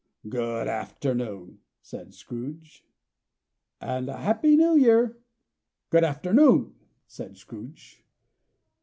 "Good afternoon!" said Scrooge. "And a Happy New Year!" "Good afternoon!" said Scrooge.